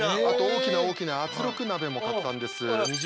あと大きな大きな圧力鍋も買ったんです。